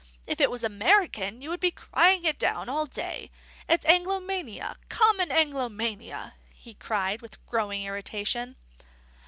If it was American, you would be crying it down all day. It's Anglomania, common Anglomania," he cried, with growing irritation.